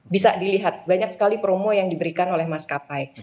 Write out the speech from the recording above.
bisa dilihat banyak sekali promo yang diberikan oleh maskapai